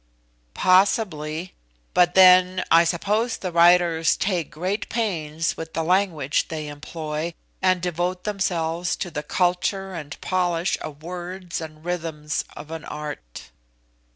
"Possibly; but then I suppose the writers take great pains with the language they employ, and devote themselves to the culture and polish of words and rhythms of an art?"